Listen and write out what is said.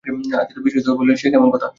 আদিত্য বিসিমত হয়ে বললে, সে কেমন কথা।